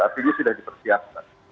artinya sudah dipersiapkan